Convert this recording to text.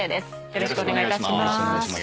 よろしくお願いします。